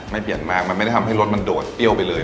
ไม่เปลี่ยนแปลงมันไม่ได้ทำให้รถมันโดดเปรี้ยวไปเลย